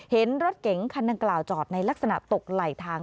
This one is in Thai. เห็นรถเก๋งคันดังกล่าวจอดในลักษณะตกไหลทาง